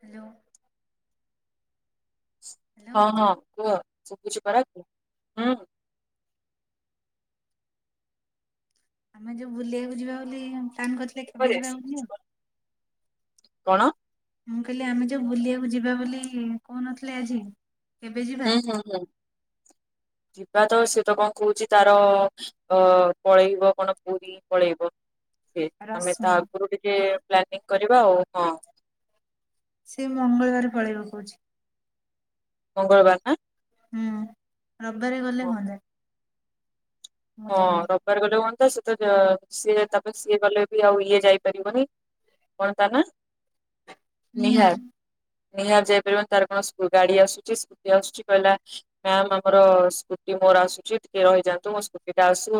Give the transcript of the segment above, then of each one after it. Hello. Hello ହଁ ହଁ କୁହ [unintelligible] ହୁଁ ଆମେ ଯୋଉ ବୁଲିବାକୁ ଯିବା ବୋଲି ପ୍ଲାନ କରିଥିଲେ, କେବେ କିପରି ଯିବା [unintelligible] ହଉନ ଶୁଭୁଛି ଆଉ ପରା। କଣ? ମୁଁ କହିଲି, ଆମେ ଯୋଉ ବୁଲିବାକୁ ଯିବା ବୋଲି କହୁନଥିଲେ ଆଜି କେବେ ଯିବା? ହୁଁ ହୁଁ ହୁଁ। ବା ତ ସିଏ ତ କଣ କହୁଛି, ତାର ଅ ପଳେଇବ କଣ ପୁରୀ ପଳେଇବ ଆମେ ତା ରଶ୍ମି ଆଗରୁ ଟିକେ ପ୍ଲାନିଂ କରିବା ଆଉ ହଁ। ସେ ମଙ୍ଗଳବାର ପଳେଇବା କହୁଛି। ମଙ୍ଗଳବାର ନା ହୁଁ ରବିବାରେ ଗଲେ ହଁ ହୁଅନ୍ତା। ହଁ ବୁଲିବା ପାଇଁ ରବିବାର ଗୋଟେ ହୁଅନ୍ତା ଶୁ ତ ତ ସିଏ ତାପରେ ସିଏ ଗଲେ ବି ଆଉ ଇଏ ଯାଇପାରିବନି କଣ ତା ନା? ନିହାର ନିଆଁ। ନିହାତି ଯାଇପାରିବ ତାର କଣ ସ୍କୁ ଗାଡି ଆସୁଛି ସ୍କୁଟି ଆସୁଛି କହିଲା ମ ଆମର ସ୍କୁଟି ମୋର ଆସୁଛି ଟିକେ ରହିଯାନ୍ତୁ ମୋ ଏଟା ଆସୁ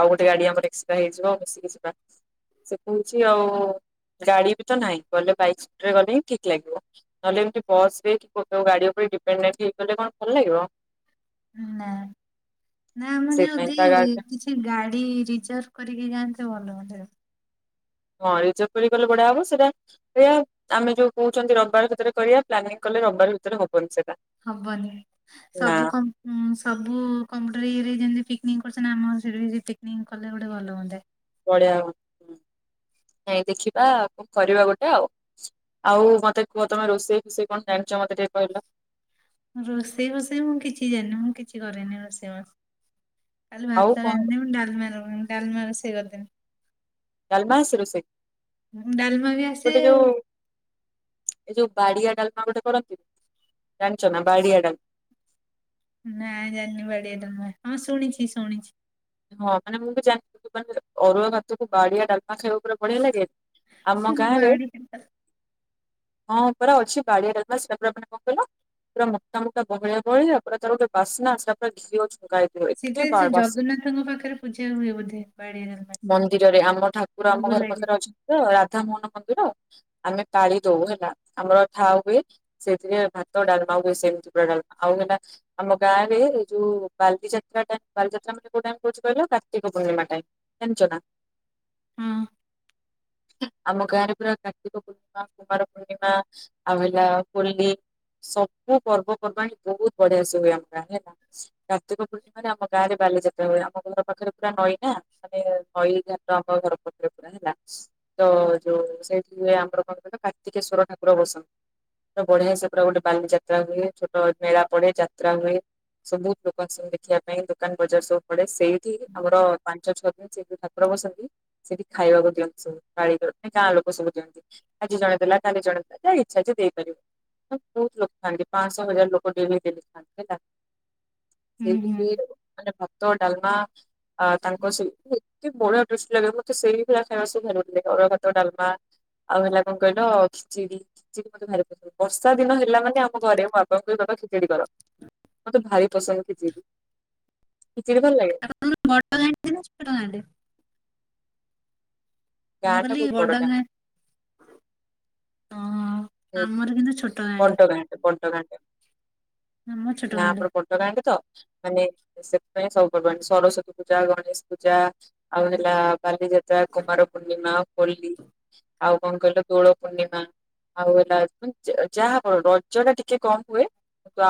ଆଉ ଗୋଟେ ଗାଡି ଆମର ଏକ୍ସଟ୍ରା ହେଇଯିବ ଆଉ ମିଶିକି ଯିବା। ସେ କହୁଛି ଆଉ ଗାଡି ବି ତ ନାହିଁ ଗଲେ ବାଇକ୍ପରେ ଗଲେ ହିଁ ଠିକ ଲାଗିବ ନହେଲେ ଏମିତି ବସ ରେ କେଉ ଗାଡି ଉପରେ ହେଇପାରିଲେ କଣ ଭଲ ଲାଗିବ? ନା ନା ଆମର ସେଇଥିପାଇଁ ଯଦି ତା ଗାଡି ଟା କିଛି ଗାଡି ରିଜର୍ଭ କରିକି ଯାଆନ୍ତେ ଭଲ ହୁଅନ୍ତା ହଁ ରିଜର୍ଭ କରି ଗଲେ ବଢିଆ ହବ ସେଇଟା ଏୟା ଆମେ ଯୋଉ କହୁଛନ୍ତି ରବିବାର ଭିତରେ କରିଆ ପ୍ଲାନିଂ କ କଲେ ରବିବାର ଭିତରେ ହବନି ସେ। ହବନି ସବୁ କମ୍ପ ସବୁ କମ୍ପୁଟର ଇଏରେ ଯେମିତି ପିକ୍ ନିକ୍ କରୁଛନ୍ତି ଆମ ସେଠି ଯେ ପିକନିକ୍ କଲେ ଗୋଟେ ଭଲ ହୁଅନ୍ତା। ପଲିଆ। ନାଇଁ ଦେଖିବାଉ କଣ କରିବା ଗୋଟେ ଆଉ ଆଉ ମତେ କୁହ ତମେ ରୋଷେଇ ଫୋଷେଇ କଣ ଜାଣିଛ ମତେ ଟ ସେ କହିଲ ରୋଷେଇ ଘଷେଇ ମୁଁ କିଛି ଜାଣିନି ମୁଁ କିଛି କରେନି ରୋଷେଇ ବସ କାଲି ଆଉ ଭାତ କଣ ରାନ୍ଧିଦେବି ମୁ ଡାଲି ମାର ଡାଲମା ରୋସେଇ କରିଦିନି ଡାଲମାସ ରୋଷେଇ ଡାଲମା ବି ଆସେ ଗୋଟେ ଯୋଉ ଏ ଯୋଉ ବାଡିଆ ଡାଲମା ଗୋଟେ କରନ୍ତି। ଟଣିଚ ନା ବାଡ଼ିଆଡ଼ା ନା ଜାଣିନି ବଢିଆ ଡାଲମା ହଁ ଶୁଣିଛି ଶୁଣିଛି। ହଁ ମାନେ ମୁଁ ବି ଜାଣିନଥିଲି ମାନେ ଅରୁଆ ଭାତକୁ ବାଡିଆ ଡାଲମା ଖାଇବାକୁ ପୁରା ବଢିଆ ଲାଗେ, ଆମ ଗାଁରେ ବାଡି ହଁ ପରା ଅଛି ବାଡିଆ ଡାଲମା ସେଗୁରା ମାନେ କଣ କହିଲା ପୁରା ମୋଟା ମୋଟା ବହଳିଆ ବହଳିଆ ପୁରା ତାକୁ ଯୋଉ ବାସ୍ନା ସେ ଗୁରା ପୁରା ଘିଅ ଛୁଙ୍କ ହେଇଥିବ। ସେଠି ଏତେ ବା ସେ ବାସ୍ ଜଗନ୍ନାଥଙ୍କ ପାଖରେ ପୂଜା ହୁଏ ବୋଧେ ବାଡିଆ ଡାଲମା ମନ୍ଦିରରେ ଆମର ଠାକୁର ଆମ ଭୋଗ ଘର ଲାଗେ ପାଖରେ ଅଛନ୍ତି ତ ରାଧା ମନ ମନ୍ଦିର। ଆମେ ପାଳି ଦଉ ହେଲା ଆମର ଥା ହୁଏ ସେଥିରେ ଭାତ ଡାଲମା ହୁଏ ସେମିତି ପୁରା ଡା ଆଉ ହେଲା ଆମ ଗାଁ ରେ ଯୋଉ ବାଲିଯାତ୍ରା ଟା ବାଲିଯାତ୍ରା ମାନେ କୋଉ ଟା ମୁଁ କହୁଛି କହିଲ କାର୍ତ୍ତିକ ପୂର୍ଣ୍ଣିମା ଟା ଜାଣିଚ ନା। ହଁ। [inaudible] ଆମ ଗାଁ ରେ ପୁରା କାର୍ତ୍ତିକ ପୂର୍ଣିମା, କୁମାର ପୂର୍ଣ୍ଣିମା, ଆଉ ହେଲା ହୋଲି ସବୁ ପର୍ବ ପର୍ବାଣି ବହୁତ ବଢିଆ ସେ ହୁଏ ଆମ ଗାଁ ହେଲା କାର୍ତ୍ତିକ ପୂର୍ଣ୍ଣିମାରେ ଆମ ଗାଁରେ ବାଲି ଯା ତ୍ରା ହୁଏ ଆମ ଘର ପାଖରେ ପୁରା ନଈ ନା ମାନେ ନଈ ଯା ଆମ ଘର ପାଖରେ ପୁରା ହେଲା ତ ଯୋଉ ସେଇଠି ଆମର କଣ କାର୍ତ୍ତିକେଶ୍ଵର ଠାକୁର ବସନ୍ତି ବଢିଆ ସେ ପୁରା ଗୋଟେ ବାଲିଯାତ୍ରା ହୁଏ ଛୋଟ ମେଳା ପଢେ ଯାତ୍ରା ହୁଏ। ସବୁ ଲୋକଙ୍କ ଆସନ୍ତି ଦେଖିବା ପାଇଁ ଦୋକାନ ବଜାର ସବୁ ପଡେ ସେଇଠି ଆମର ପା [unintelligible] ସେଠି ଠାକୁର ବସନ୍ତି ସେଠି ଖାଇବାକୁ ଦିଅନ୍ତି ସବୁ ପାଳି କରନ୍ତି ଗାଁ ଲୋକ ସବୁ ଦିଅନ୍ତି। ଆଜି ଜଣେ ଦେଲା କାଲି ଜଣେ ଦେଲା ତା ଇଚ୍ଛା ଯିଏ ଦେଇପାରିବ। ବହୁତ ଲୋକ ଥାଆନ୍ତି ପାଁଶହ, ହଜାର ଲୋକ ଡେଲି ଡେଲି ଖାଆନ୍ତି ହେଲା। ହୁଁ ହୁଁ ସେଇଥି ମାନେ ଭାତ ଡାଲମା ତାଙ୍କ ସେଠୀ ସେଠୀ ବଢିଆ ଟେଷ୍ଟ ଲାଗେ ମତେ ସେଇ ଭଳିଆ ଖାଇବା ସବୁ ଭଲ ଲାଗେ ଅରୁଆ ଭାତ, ଡାଲମା ଆଉ ହେଲା କଣ କହିଲ ଖିଚିଡି ଖିଚିଡି ମତେ ଭାରି ପସନ୍ଦ ବର୍ଷା ଦିନ ହେଲା ମାନେ ଆମ ଘରେ ମୋ ବାପାଙ୍କୁକହିବି ହଁ ଖେଚେଡ଼ି କର ମତେ ଭାରି ପସନ୍ଦ ଖେଚିଡ଼ି। ଆଉ ତମର ବଡ଼ ଗାଁ ଟେ ନା ଛୋଟ ଗାଁ ଟେ? ଗାଁ ମୁଁ ଟା କହିଲି ବହୁତ ବଡ ବଡ଼ ଗାଁ ହଁ ଆମର କିନ୍ତୁ ଛୋ ବଡ଼ ଗାଁ ଟେ ବଡ଼ ଗାଁ ଟେ ଆମ ଛୋଟ ନା ଗାଁଟେ ପୁରା ବଡ଼ ଗାଁ ଟେ ତ। ମାନେ ସେଥିପାଇଁ ସବୁ ପର୍ବ ପର୍ବାଣୀ ସରସ୍ଵତୀ ପୂଜା ଗଣେଶ ପୂଜା ଆଉ ହେଲା ବାଲି ଯାତ୍ରା କୁମାର ପୂର୍ଣିମା ହୋଲି ଆଉ କଣ କହିଲ ଦୋଳ ପୂର୍ଣ୍ଣିମା ଆଉ ହେଲା [unintelligible] ଯାହା [unintelligible] ରଜଟା ଟିକେ କମ ହୁଏ।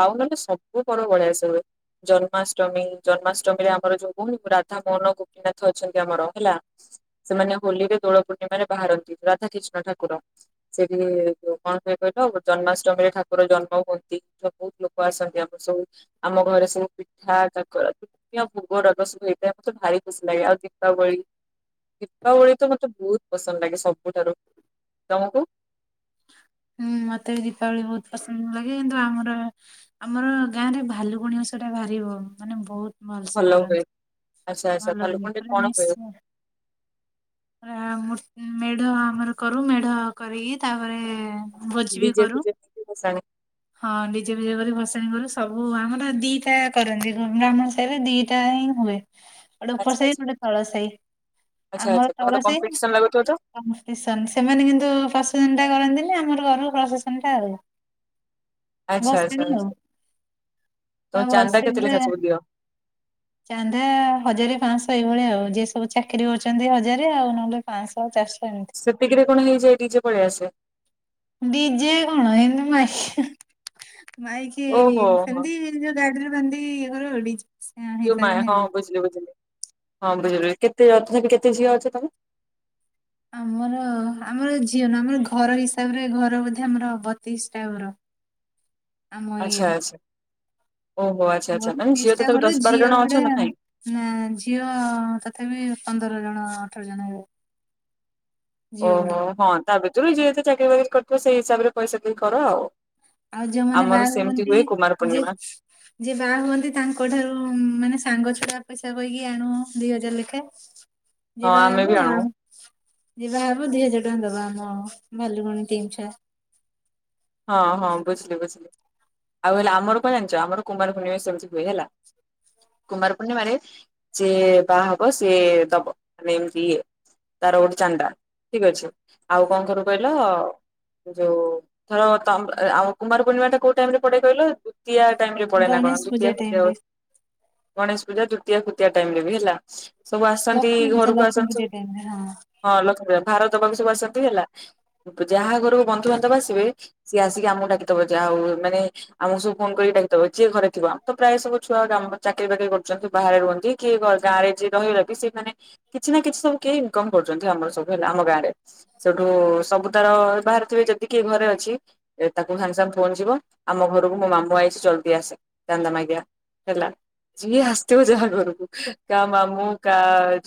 ଆଉ ନହେଲେ ସବୁ ପର୍ବ ବଢ଼ିଆଶେ ହୁଏ। ଜନ୍ମାଷ୍ଟମୀ ଜନ୍ମାଷ୍ଟମୀରେ ଆମର ଯୋଉ [unintelligible] ମନ ଗୋପୀନାଥ ଅଛନ୍ତି ଆମର ହେଲା ସେମାନେ ହୋଲିରେ ଦୋଳ ପୂର୍ଣ୍ଣିମାରେ ବାହାରନ୍ତି ରାଧା କ୍ରିଷ୍ଣ କୃଷ୍ଣ ଠାକୁର ସେଠି କଣ ହୁଏ କହିଲ ଗୋ ଜନ୍ମାଷ୍ଟମୀରେ ଠାକୁର ଜନ୍ମ ହୁଅନ୍ତି, ତ ବହୁତ ଲୋକ ଆସନ୍ତି ଆମର ସବୁ ଆମ ଘରେ ସବୁ ପିଠା [unintelligible] ଭୋଗ ରୋଗ ସବୁ ହେଇଥାଏ ମତେ ଭାରି ଖୁସି ଲାଗେ ଆଉ ଦୀପାବଳି। ଦୀପାବଳି ତ ମତେ ବହୁତ ପସନ୍ଦ ଲାଗେ ସବୁଠାରୁ ତମକୁ? ହୁଁ ମତେ ବି ଦୀପାବଳି ବହୁତ ପସନ୍ଦ ଲାଗେ, କିନ୍ତୁ ଆମର ଆମର ଗାଁରେ ଭାଲୁକୁଣୀ ଓଷାଟା ବାହାରିବ ମାନେ ବହୁତ ଭଲସେ ଭଲ ହୁଏ କରନ୍ତି, ଆଚ୍ଛା ଆଚ୍ଛା ଭଲ ଭାଲୁକୁଣି [unintelligible] କଣ ହୁଏ ମିଶ ମେଢ ଆମର କରୁ, ମେଢ କରିକି ତାପରେ ଭୋଜି ବି ଡିଜେ କରୁ, ଫିଜେ ନେଇକି ଭସାଣି ହଁ ଡିଜେ ପିଯେ ବଜେଇ ଭସାଣି କରୁ। ସବୁ ଆମର ଦିଟା କରନ୍ତି, ଗ୍ରାମ ସାରେ ଦିଟା ହିଁ ହୁଏ। ଗୋଟେ ଉପର ଆଚ୍ଛା ସାହି ଆଚ୍ଛା। ଗୋଟେ ତଳ ସାହି, ଆଚ୍ଛା ଆମର ଆଚ୍ଛା [unintelligible] ତମର କମ୍ପିଟିସନ ଲାଗୁଥିବ ତ ସେମାନେ କିନ୍ତୁ ପ୍ରଶସନ ସେ କରନ୍ତିନି ଆମର କରୁ ପ୍ରଶାସନଟା ଆଉ। ଆଚ୍ଛା ଆଚ୍ଛା ଭସାଣି ଆଉ ବା ତମ ଚାନ୍ଦା ଭସେଇ କେତେ ପୁରା ଲେଖା ସବୁ ଦିଅ? ଚାନ୍ଦା ହଜାରେ ପାଞ୍ଚଶହ ଏଇଭଳିଆ ଆଉ। ଯିଏ ସବୁ ଚାକିରି କରୁଛନ୍ତି ହଜାରେ ଆଉ ନହେଲେ ପାଞ୍ଚଶହ ଚାରିଶହ ଏମିତି ସେତିକିରେ କଣ ହେଇଯାଏ ନିଜେ ପଳେଇ ଆସେ? ଡିଜେ କଣ ଏମତି [unintelligible] ମାଇକି ଓହୋ ହୋ ସେମିତି ଯୋଉ ଗାଡିରେ ବାନ୍ଧି ଇଏ ଘରେ ଡି ଜେ ଯୁ ମା ହଁ ବୁଝିଲ ବୁଝିଲି। ହଁ [unintelligible] କେତେ [unintelligible] କେତେ ଝିଅ ଅଛ ତମେ? ଆମର ଆମର ଝିଅନ ଆମର ଘର ହିସାବରେ ଘର ବୋଧେ ଆମର ବତିଶ ଟା ଘର। ଆମ ଆଚ୍ଛା ଇଏରେ ଆଚ୍ଛା। ଓହୋ ଆଚ୍ଛା ଆଚ୍ଛା ମାନେ ବତିଶ ଝିଅ ଟା ତଥାପି ଘର ଦଶ ବାର ଝିଅ ଜଣ ଅଛ ଗୁଡା ନା ନାଇଁ? ନା ଝିଅ ତଥାପି ପ ପନ୍ଦର ଜଣ ଅଠର ଜଣ ହେବେ। ଝିଅ ଓହୋ ଗୁଡା। ହଁ ତା ଭିତରୁ ଯିଏ ଯେତେ ଚାକିରି ବାକିରି କରିଥିବ ସେଇ ହିସାବରେ ପଇସା ଦେଇକି କର ଆଉ। ଆଉ ଯୋଉମାନେ ଆମର ବାହା ସେମିତି ହୁଅନ୍ତି ହୁଏ କୁମାର ଯେ ପୂର୍ଣ୍ଣିମା ଯିଏ ବାହା ହୁଅନ୍ତି ତାଙ୍କ ଠାରୁ ମାନେ ସାଙ୍ଗ ଛ [unintelligible] ପଇସା କହିକି ଆଣୁ ଦି ହଜାର ଲାଖେ। ହଁ ଯିବା ଆମେ ବି ହବ ଆଣୁ ଆଉ ଯିବା ହବ ଦି ହଜାର ଟଙ୍କା ଦବା ହଁ ଭଲୁକୁଣି ଟିମ ଛୁଆ। ହଁ ହଁ ବୁଝିଲି ବୁଝିଲି। ଆଉ ହେଲେ ଆମର କଣ ଜାଣିଛ ଆମର କୁମାର ପୁର୍ଣିମା ସେମିତି ହୁଏ ହେଲା। କୁମାର ପୂର୍ଣ୍ଣିମାରେ ସେ ବାହା ହବ ସିଏ ଦବ ମାନେ ଏମିତି ଇଏ ତାର ଗୋଟେ ଚାଣ୍ଡା ଠିକ ଅଛି ଆଉ କଣ କରର କହିଲ ଯୋଉ ଧର ତମ ଆଉ କୁମାର ପୂର୍ଣିମା ଟା କୋଉ ଟାଇମ ରେ ପଡେ କହିଲ? ଦ୍ୱତୀୟା ଟାଇମରେ ପଡେ ନା କଣ ଗଣେଶ ପୂଜା ଟାଇମ୍ ଦ୍ୱୀତୀୟା ରେ [unintelligible] ଗଣେଶ ପୂଜା ଦୃତୀୟ ଫ୍ରୁତୀଆ ଟାଇମ ରେ ବି ହେଲା ସବୁ ଆସନ୍ତି ଲକ୍ଷ୍ମୀ ପୂଜା ଘରକୁ ଲକ୍ଷ୍ମୀ ଆସନ୍ତି ପୂଜା ସବୁ ଟାଇମ୍ ରେ ହଁ। ହଁ ଲକ୍ଷ୍ମୀ ପୂଜା। ଭାରତ ବାକୁସ ବସନ୍ତି ହେଲା ଯାହା ଘରକୁ ବନ୍ଧୁବାନ୍ଧବ ଆସିବେ ସିଏ ଆସିକି ଆମକୁ ଡାକିଦବ ଯାହା ହଉ ମାନେ ଆମକୁ ସବୁ ଫୋନ କରିକି ଡାକିଦବ ଯିଏ ଘରେ ଥିବ ଆମ ତ ପ୍ରାୟ ସବୁ ଛୁଆ ଚାକିରୀ ବାକିରି କରୁଛନ୍ତି ବାହାରେ ରୁହନ୍ତି କିଏ ଗାଁରେ ଯିଏ ରହିଲ ବି ସେମାନେ କିଛି ନା କିଛି ସବୁ କେହି ଇନକମ୍ କରୁଛନ୍ତି ଆମର ସବୁ ହେଲା ଆମ ଗାଁରେ ସେଠୁ ସବୁ ତାର ବାହାରେ ଥିବେ ଯେତିକି ଘରେ ତାକୁ ସାଙ୍ଗେ ସାଙ୍ଗ ଫୋନ ଯିବ ଆମ ଘରକୁ ମୋ ମାମୁଁ ଆଇଛି ଜଲଦି ଆସେ ଚାନ୍ଦା ମାଗିଆ। ହେଲା ଯିଏ ଆସିଥିବ ଯାହା ଘରକୁ କା ମାମୁଁ କା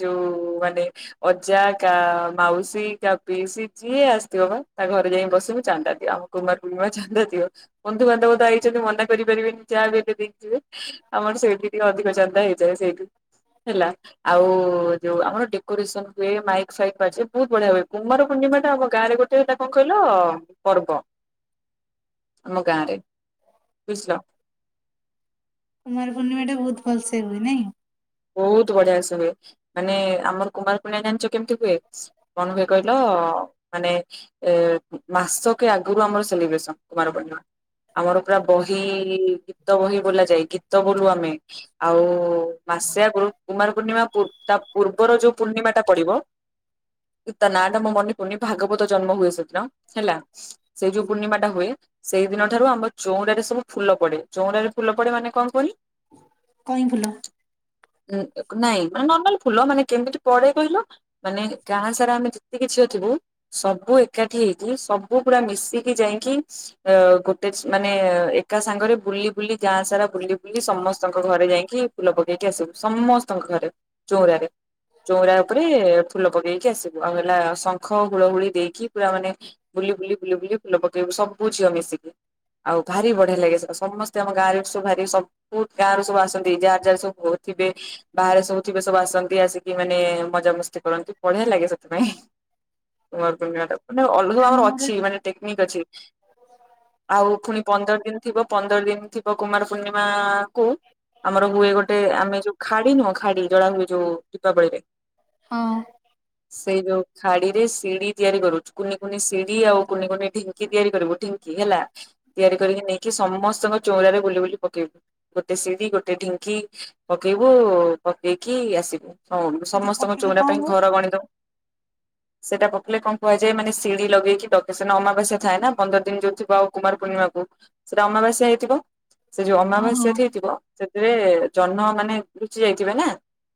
ଯୋଉ ମାନେ ଅଜା କା ମାଉସୀ କା ପିଇସି ଯିଏ ଆସିଥିବ ବା ତାଙ୍କ ଘରେ ଯାଇକି ବସିବୁ ଚାନ୍ଦା ଆମ କୁମାରୂଣ୍ଣିମା ଚାନ୍ଦା ଦିଅ। ବନ୍ଧୁବାନ୍ଧବ ତ ଆଇଛନ୍ତି ମନାକରିପାରିବେନି ଯାହାବି ହେଲେ ଦେଇକିଯିବେ। ଆମର ସେଇଠି ଟିକେ ଅଧିକ ଚାନ୍ଦା ହେଇଯାଏ ସେଇଠୁ ହେଲା ଆଉ ଯୋଉ ଆମର ଡେକୋରେସନ ହୁଏ ମାଇକ୍ ଫାଇକ୍ ବାଯେ ବହୁତ ବଢିଆ ହୁଏ କୁମ୍ଭାର ପୁ [unintelligible] ମା ଟା ଆମ ଗାଁ ରେ ଗୋଟେ ହେଟ୍ଟା କଣ କହିଲ? ପର୍ବ ଆମ ଗାଁରେ ବୁଝିଲ କୁମାର ପୂର୍ଣ୍ଣିମା ଟା ବହୁତ ଭଲସ ହୁଏ। ନାଇଁ ବହୁତ ବଢିଆ ସେ ହୁଏ ମାନେ ଆମର କୁମାର ପୂର୍ଣ୍ଣିମା ଜାଣିଛ କେମିତି ହୁଏ କଣ ହୁଏ କହିଲ? ତ ମାନେ ଏ ମାସକେ ଆଗରୁ ଆମର ସେଲିବ୍ରେସନ କୁମାର ପର୍ଣ୍ଣିମା। ଆମର ପୁରା ବହି ଗୀତ ବହି ବୋଲା ଯାଏ ଗୀତ ବୋଲୁ ଆମେ ଆଉ ମାସେ ଆଗରୁ କୁମାର ପୂର୍ଣ୍ଣିମା ପୂର୍ବର ଯୋଉ ପୂର୍ଣ୍ଣିମା ଟା ପଡିବ? ତା ନା ଟା ମୋର ମନେ ପଡୁନି ଭାଗବତ ଜନ୍ମ ହୁଏ ସେଦିନ ହେଲା ସେଇ ଯୋଉ ପୂର୍ଣ୍ଣିମା ଟା ହୁଏ। ସେଇ ଦିନ ଠାରୁ ଆମ ଚଉରାରେ ସବୁ ଫୁଲ ପଡେ ଚଉରାରେ ଫୁଲ ପଡେ ମାନେ କଣ କହନି? କଣ ଫୁଲ? ନାଇଁ ମାନେ ନର୍ମାଲ ଫୁଲ ମାନେ କେମିତି ପଡେଇ କହିଲ ମାନେ ଗାଁ ସାରା ଆମେ ଯେତିକି ଥିବୁ ସବୁ ଏକାଠି ହେଇକି ସବୁ ଗୁଡା ମିଶିକି ଯାଇକି ଗୋଟେ ମାନେ ଏକା ସାଙ୍ଗରେ ବୁଲି ବୁଲି ଗାଁ ସାରା ବୁଲି ବୁଲି ସମସ୍ତଙ୍କ ଘରେ ଯାଇକି ଫୁଲ ପକେଇ ସମସ୍ତଙ୍କ ଘରେ ଚଉରାରେ ଚଉରା ଉପରେ ଫୁଲ ପକେଇକି ଆସିବୁ ଆଉ ହେଲା ଶଙ୍ଖ ହୁଳ ଲହୁଳି ଦେଇକି ପୁରା ମାନେ ବୁଲି ବୁଲି ବୁଲି ବୁଲି ଫୁଲ ପକେଇବୁ ସବୁ ଝିଅ ମିଶିକି। ଆଉ ଭାରି ବଢିଆ ଲାଗେ ସମସ୍ତେ ଆମ ଗାଁରେ ଆସୁ ଭାରି ସବୁତ ଗାଁ ର ସବୁ ଆସନ୍ତି ଯାହାର ଯା ସବୁ ହଉ ଥିବେ ବାହାରେ ସବୁ ଥିବେ ସବୁ ଆସନ୍ତି ଆସିକି ମାନେ ମଜାମସ୍ତି କରନ୍ତି ବଢିଆ ଲାଗେ ସେଥିପାଇଁ କୁଆଁର ପୂର୍ଣ୍ଣିମା ମାନେ ଅଲଗା ଆବର ଆମର ଅଛି ମାନେେକ୍ନିକ ଅଛି ଆଉ ପୁଣି ପନ୍ଦର ଦିନ ଥିବ ପନ୍ଦର ଦିନ ଥିବ କୁମାର ପୂର୍ଣ୍ଣିମା କୁ ଆମର ହୁଏ ଗୋଟେ ଗୋଟେ ଆମେ ଯୋଉ ଖାଡି ନୁହଁ ଖାଡି ଜଳା ହୁଏ ଯୋଉ ଦୀପାବଳିରେ ହଁ। ସେଇ ଯୋଉ ଖାଡି ରେ ସିଡି ତିଆରି କରୁଛି କୁନି କୁନି ସିଡି ଆଉ କୁନି କୁନି ଢିଙ୍କି ତିଆରି କରିବୁ ଢିଙ୍କି ହେଲା ତିଆରି କରିକି ନେଇକି ସମସ୍ତଙ୍କ ଚଉଡ଼ାରେ ବୁଲି ବୁଲି ପକେଇବୁ ଗୋଟେ ସିଡି ଗୋଟେ ଢିଙ୍କି। ପକେଇବୁ ପକେଇକି ଆସିବୁ ହଉ ସେଟା ସମସ୍ତଙ୍କ ପକେଇଲେ ଚଉରା କଣ ପାଇଁ ହୁଏ? ଘର ଗଣିଦବୁ। [inaudible] ସେଟା ପକେଇଲେ କଣ କୁହାଯାଏ ମାନେ ସିଢି ଲଗେଇକି ସେଦିନ ଅମାବାସ୍ୟା ଥାଏ ନା ପନ୍ଦର ଦିନ ଯୋଉ ଥିବ ଆ କୁମାର ପୂର୍ଣିମା ସେଟା ଅମାବାସ୍ୟା ହେଇଥିବ ସେ ଯୋଉ ହଁ ଅମାବାସ୍ୟା ହଁ। ହେଇଥିବ ସେଥିରେ ଜହ୍ନ ମାନେ ଲୁଚି ଯାଇଥିବେ ନା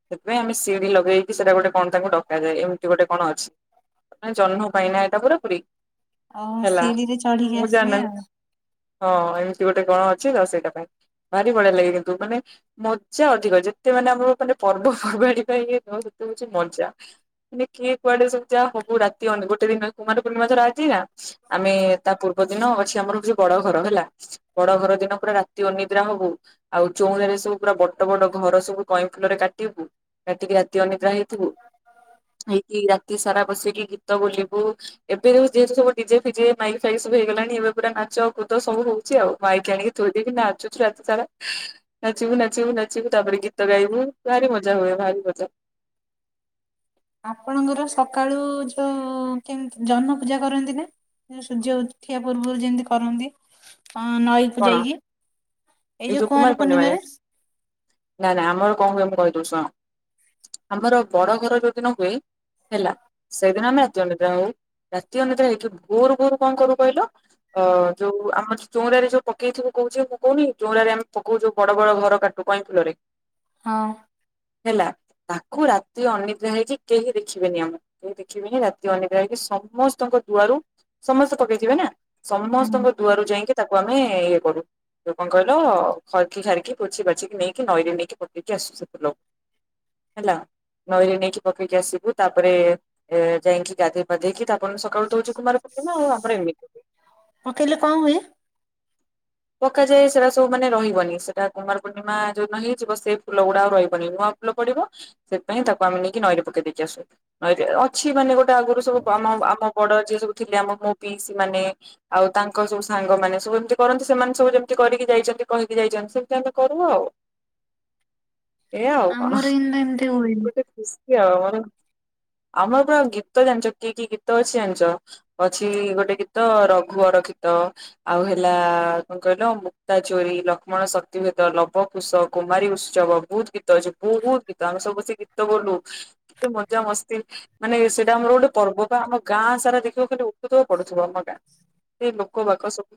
ସେଥିପାଇଁ ଆମେ ସିଡି ଲଗେଇକି ସେଇଟା ଗୋଟେ କଣ ତାଙ୍କୁ ଡକାଯାଏ ଏମିତି ଗୋଟେ କଣ ଅଛି ଜହ୍ନ ପାଇଁନା ଏଟ ପୁରାପୁରୀ ଆଉ ଶିଢିରେ ଚଢିକି ଆସିବେ ଆଉ ହଁ ଏମିତି ଗୋଟେ କଣ ଅଛି ଆ ସେଇଟା ପାଇଁ ଭାରି ବଢିଆ ଲାଗେ କିନ୍ତୁ ମାନେ ମଜା ଅଧିକ ଯେତେ ମାନେ ଆମର ମାନେ ପର୍ବପର୍ବାଣିୀ ପାଇଁ ଥିବ ସେତେ ହଉଛି ମଜା କିଏ କୁଆଡେ ସବୁ ହବୁ ରାତି ଗୋଟେ ଦିନ କୁମାର ପୂର୍ଣ୍ଣିମା ଧର ଆଜି ନା ଆମେ ତା ପୂର୍ବ ଦିନ ଅଛି ଆମର ହଉଛି ବଡ ଘର ହେଲା ବଡ ଘର ଦିନ ପୁରା ରାତି ଅନିଦ୍ରା ହବୁ ଆଉ ଚଉରାରେ ସବୁ ପୁରା ବଡ ବଡ ଘର ସବୁ କଇଁ ଫୁଲରେ କାଟିବୁ କାଟିକି ରାତି ଅନିଦ୍ରା ହେଇଥିବୁ। ହେଇକି ରାତି ସାରା ବସିକି ଗୀତ ବୋଲିବୁ ଏବେ ଯେ ସବୁ ଡିଜେ ଫିଜେ ମାଇକି ଫାଇକି ୁ ହେଇଗଲାଣି ଏବେ ପୁରା ନାଚ କୁଦ ସବୁ ହଉଛି ଆଉ ମାଇକି ଆଣିକି ଥୋଇଦେଇକି ନାଚୁଛୁ ରାତି ସାରା। ନାଚିବୁ ନାଚିବୁ ନାଚିବୁ ତାପରେ ଗୀତ ଗାଇବୁ ଭାରି ମଜା ହୁଏ ଭାରି ମଜା ଆପଣଙ୍କର ସକାଳୁ ଯଉ କେ ଜହ୍ନ ପୂଜା କରନ୍ତି ନା। ସୂର୍ଯ୍ୟ ଉଠିବା ପୂର୍ବରୁ ଯେମିତି କରନ୍ତି। ହଁ ନଈ କ କଣ? ଯାଇକି ଏଇ ଯୋଉ କୁଆଁର ପୂର୍ଣ୍ଣିମାରେ। ନାଇଁ ନାଇଁ ଆମର କଣ ହୁଏ ମୁ କହିଦଉ ଶୁଣ ଆମର ବଡ ଘର ଯଦି ନ ହୁଏ ହେଲା ସେଇଦିନ ଆମେ ରାତି ଅନିଦ୍ରା ହଉ। ରାତି ଅନିଦ୍ରା ହେଇକି ଭୋରୁ ଭୋରୁ କଣ କରୁ କହିଲ ଅଁ ଜଉ ଆମ ଚଉରା ରେ ଜଉ ପକେଇଥିବୁ କହୁଛି ମୁଁ କହୁନି ଚଉରାରେ ଆମେ ପକଉଛୁ ବଡ ବଡ ଘର କାଟୁ କଇଁ ଫୁଲରେ ହଁ, ହେଲା ତାକୁ ରାତି ଅନିଦ୍ରା ହେଇକି କେହି ଦେଖିବେନି ଆମ କେହି ଦେଖିବେନି ରାତି ଅନିଦ୍ରା ହେଇକି ସବୁ ସମସ୍ତଙ୍କ ଦୁଆରୁ ସମସ୍ତେ ପକେଇଥିବେ ନା ହୁଁ ସମସ୍ତଙ୍କ ଦୁଆରୁ ଯାଇକି ତାକୁ ଆମେ ଇଏ କରୁ। ଲ କଣ କହିଲ ଖରକି ଖାରିକି ପୋଛି ପାଛିକି ନେଇକି ନଈରେ ନେଇକି ପକେଇକି ଆସୁ ସେଦିନ। ହେଲା ନଈରେ ନେଇକି ପକେଇକି ଆସିବୁ ତାପରେ ଏ ଯାଇକି ଗାଧେଇ ପାଧେଇକି ତାପ ତାପରେ ସକାଳୁତ ହେଉଛି କୁମାର ପୁର୍ଣିମା ଆଉ ଆମର ଏମିତି। ପକେଇଲେ କଣ ହୁଏ? ପକାଯାଏ ସେଟା ସବୁମାନେ ରହିବନି ସେଟାୁମାର ପୂର୍ଣ୍ଣିମା ଯୋଉ ନ ହେଇଯିବ ସେ ଫୁଲ ଗୁଡା ଆଉ ରହିବନି ନୂଆ ଲ ପଡିବ ସେଥିପାଇଁ ତାକୁ ଆମେ ନେଇକି ନଈରେ ପକେଇ ଦେଇକି ଆସୁ ନଈରେ ଅଛି ମାନେ ଗୋଟେ ତ ଆଗରୁ ସବୁ ଆମ ଆମ ବଡ ଯିଏ ସବୁ ଥିଲେ ଆମ ମୋ ପିଇସି ମାନେ ଆଉ ତାଙ୍କ ସବୁ ସାଙ୍ଗମାନୋନେ ସବୁ ଏମତି କରନ୍ତି ସେମାନେ ସବୁ ଯେମତି କରିକି ଯାଇଛନ୍ତି କହିକି ଯାଇଛନ୍ତି ସେମତି ଆମେ କରୁ ଆଉ ଏଇ ଆଉ କଣ ଆମର କିନ୍ତୁ ଏମିତି ହୁଏନି ଗୋଟେ ଖୁସି ଆଉ ମେ ଆମର ପୁରା ଗୀତ ଜାଣିଛ କିଏ କି ଗୀତ ଅଛି ଜାଣିଛ ଅଛି ଗୋଟେ ଗୀତ ରଘୁଅର ଗିତ ଆଉ ହେଲା କ କହିଲ ମୁକ୍ତା ଚୋରୀ ଲକ୍ଷ୍ମଣ ଶକ୍ତିଭେଦ ଲବ କୁଶ କୁମାରୀ ଉତ୍ସବ ବହୁତ ଗୀତଅଛି ବହୁତ ଗୀତ ଆମେ ସବୁ ସେ ଗୀତ ବୋଲୁ କେତେ ମଜା ମସ୍ତି ମାନେ ସେଇଟା ଆମର ଗୋଟେ ପର୍ବପା ଆମ ଗାଁ ସାରା ଦେଖିବା ଖାଲି ଉଠୁଦବ ପଡୁଥିବ ଆମ ଗାଁ ସେ ଲୋକ ବାକ ସବୁ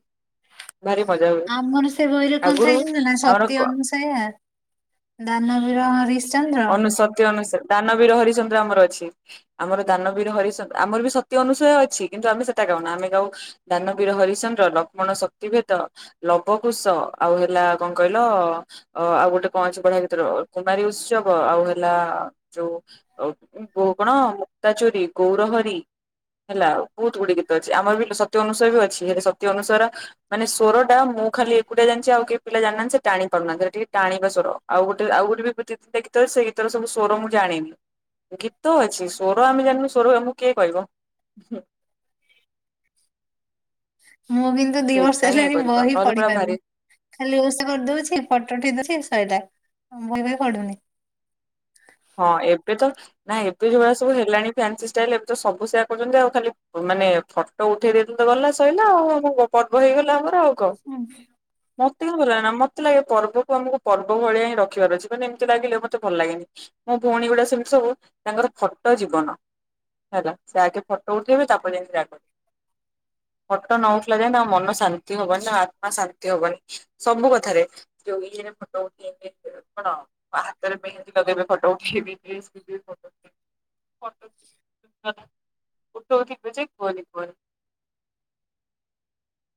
ଭାରି ମଜା ହୁଏ ଆମର ସେ ବହିରେ କଣ ଆଗରୁ ଥାଇଛନ୍ତି ନା ଆମର ସତ୍ୟ ଅନୁସାୟ ଦାନ ବିର ହରିଶ ଅନୁସତ ଅନୁସ ଦାନବୀର ହରିଚନ୍ଦ୍ର ଆମର ଅଛି ଆମର ଦାନବୀର ହରିଚନ୍ଦ୍ର ଆମର ବି ସତ୍ୟ ଅନୁସାୟ ଅଛି କିନ୍ତୁ ଆମେ ସେଟା କଣ ଆମେ ଯ ଦାନବୀର ହରିଚନ୍ଦ୍ର ଲକ୍ଷ୍ମଣ ଶକ୍ତିଭେଦ ଲବକୁୁଶ ଆଉ ହେଲା କଣ କହିଲ ଆଉ ଗୋଟେ କଣ ଅଛି ବଢିଆ ଭତରେ କୁମାରୀ ଉତ୍ସବ ଆଉ ହେଲା ଯୋଉୋ କଣ ମୁକ୍ତାଚୋରିୀ ଗୌରହରି ହେଲାଉ ବହୁତ ଗୁଡିଏ ଗୀତ ଅଛି ଆମର ବି ସତୀ ଅନୁସାୟା ବି ଅଛି ହେଲେ ସତୀ ଅନୁସାୟାର ମାନେ ସ୍ବରଟା ମୁଁ ଖାଲି ଏକୁଟଆ ଜାଣିଛି ଆଉ କେହି ପିଲାନାହାନ୍ତି ସେ ଟାଣି ପାରୁନାହାନ୍ତି ଟିକେ ଟାଣିବ ସର ଆଉ ଗୋଟେ ଆ ଗୋେ ବିତି ତ ସେ ଗୀତର ସବୁ ସ୍ୱର ମୁଁ ଜାଣିନି। ଗୀତ ଅଛି ସ୍ୱର ଆମେ ଜାଣିନୁ ସ୍ୱର ଆମକୁ କିଏ କହିବ [inaudible] ମୁଁ କିନ୍ତୁ ଦି ବର୍ଷ ସେଇଥିପାଇଁ ଇଏ ହେଲାଣି କରିପାରୁନୁ ବହି ନହେଲେ ପଢି ପୁରା ଭାରି ପାରିନି ଖାଲି ଓଷା କରିଦଉଛି ଫଟୋ ଉଠେଇ ଦଉଛି ସଇଲା ବହି ବି ପଢୁନି। ହଁ ଏବେ ତ ନା ଏବେ ଯୋଉଭଳିଆ ସବୁ ହେଲାଣି ଫ୍ୟାନ୍ସି ଷ୍ଟାଇଲ ଏବେ ତ ସବୁ ସେୟଆ କରୁଛନ୍ତି ଆଉ ଖାଲି ମାନେ ଫଟୋ ଉଠେଇ ଦେଇ ଗଲା ସଇିଲା ଆଉ ଆମ ପର୍ବ ହେଇଗଲା ଆମର ଆଉ। ଆଞ [inaudible] ତେ ଭଲ ଲାଗେ ନା ମତେ ଲାଗେ ପର୍ବକୁ ଆମକୁ ପର୍ବ ଭଳିଆ ହିଁ ରଖିବାର ଅଛି ମାନେ ଏମିତି ଲାଗିଲେ ମତେ ଭଲ ଲାଗେନି। ମୋ ଭଉଣୀ ଗୁଡା ସେମିତି ସବୁ ତାଙ୍କର ଫଟ ଜୀବନ। ହେଲା ସେ ଆଗେ ଫଟୋ ଉଠେଇବେ ତାପରେ ଯାହା ଫଟ ନଉଥିଲା ଯାଏ ତା ମନ ଶାନ୍ତି ହବନି ନା ଆତ୍ମା ଶାନ୍ତି ହବନି ସବୁ କଥାରେ ଯୋଉ କଣ ହାତରେ ମେହେନ୍ଦି ଲଗେଇବେ। ଫଟୋ ଉଠେଇକି [inaudible] [unintelligible] ଥିବେ ଯେ କୁହନି କୁହନି। [inaudible]